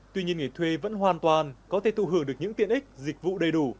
tuy nhiên nghề thuê vẫn hoàn toàn có thể tụ hưởng được những tiện ích dịch vụ đầy đủ